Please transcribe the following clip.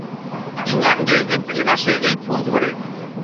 ইংল্যান্ডে এপ্রিল মাসে এই ফুল ধরে।